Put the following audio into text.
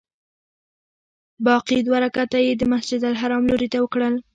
باقي دوه رکعته یې د مسجدالحرام لوري ته وکړل.